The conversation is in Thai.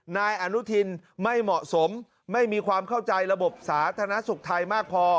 นายอนุทินไม่เหมาะสมไม่มีความเข้าใจระบบสาธารณสุขไทยมากพอ